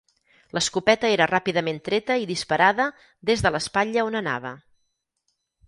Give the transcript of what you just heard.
L'escopeta era ràpidament treta i disparada des de l'espatlla on anava.